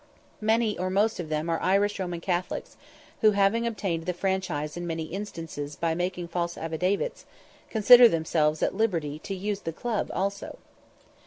Many or most of them are Irish Roman Catholics, who, having obtained the franchise in many instances by making false affidavits, consider themselves at liberty to use the club also.